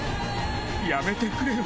やめてくれよ。